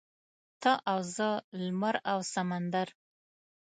ته او زه لمر او سمندر.